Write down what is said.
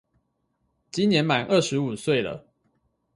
今年滿廿五歲了